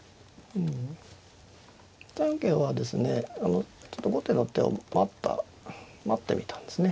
３四桂はですねちょっと後手の手を待った待ってみたんですね。